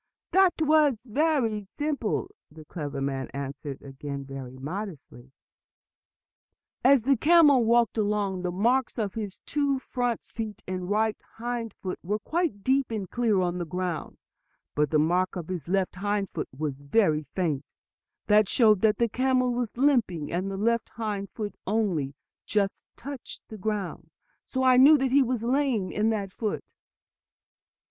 "That was just as simple," the clever man again answered very modestly. "As the camel walked along, the marks of his two front feet and right hind foot were quite deep and clear on the ground. But the mark of his left hind foot was very faint. That showed that the camel was limping, and the left hind foot only just touched the ground. So I knew that he was lame in that foot."